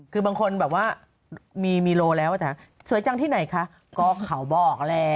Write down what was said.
คือบางคนแบบว่ามีโลแล้วแต่สวยจังที่ไหนคะก็เขาบอกแหละ